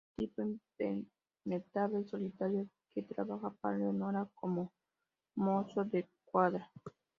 Es un tipo impenetrable y solitario que trabaja para Leonora como mozo de cuadra.